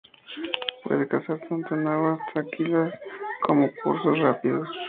Puede cazar tanto en aguas tranquilas como en cursos rápidos.